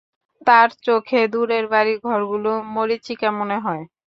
তার চোখে দূরের বাড়ি-ঘরগুলো মরীচিকা মনে হয়।